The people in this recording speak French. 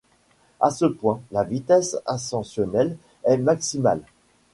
À ce point, la vitesse ascensionnelle est maximale.